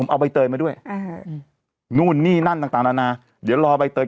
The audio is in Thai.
เอาใบเตยมาด้วยนู่นนี่นั่นต่างนานาเดี๋ยวรอใบเตย